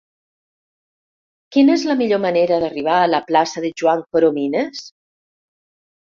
Quina és la millor manera d'arribar a la plaça de Joan Coromines?